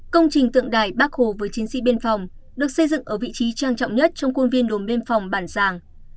công trình tượng đài bác hồ với chiến sĩ biên phòng được xây dựng ở vị trí trang trọng nhất trong khuôn viên đồn biên phòng bản